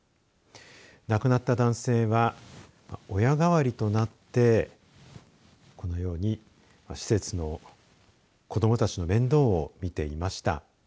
亡くなった男性は親代わりとなってこのように施設の子どもたちの面倒を見ていました。